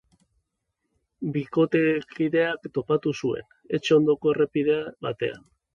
Bikotekideak topatu zuen, etxe ondoko errepide batean.